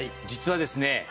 実はですね